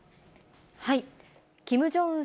キム・ジョンウン